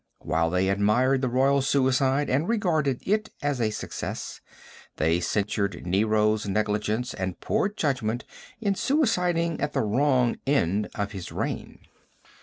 While they admired the royal suicide and regarded it as a success, they censured Nero's negligence and poor judgment in suiciding at the wrong end of his reign.